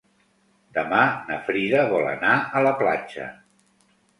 Demà na Frida vol anar a la platja.